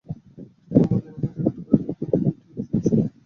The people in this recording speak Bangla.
তিনি মদিনায় হিজরত কারীদের মধ্যে দ্বিতীয়জন ছিলেন।